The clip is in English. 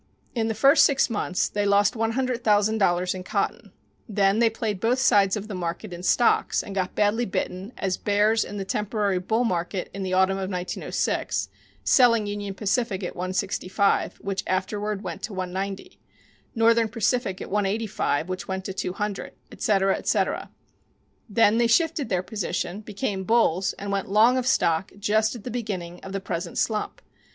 In the first six months they lost one hundred thousand dollars in cotton. Then they played both sides of the market in stocks and got badly bitten as bears in the temporary bull market in the autumn of 1906, selling Union Pacific at 165, which afterward went to 190, Northern Pacific at 185, which went to 200, etc., etc. Then they shifted their position, became bulls and went long of stock just at the beginning of the present slump.